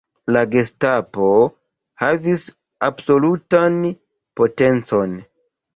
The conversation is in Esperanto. La Gestapo havis absolutan potencon.